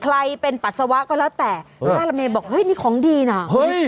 ใครเป็นปัสสาวะก็แล้วแต่แม่ละเมบอกเฮ้ยนี่ของดีน่ะเฮ้ย